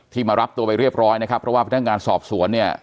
มารับตัวไปเรียบร้อยนะครับเพราะว่าพนักงานสอบสวนเนี่ย